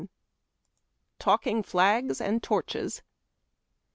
TALKING FLAGS AND TORCHES.